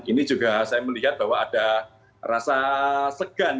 ini juga saya melihat bahwa ada rasa segan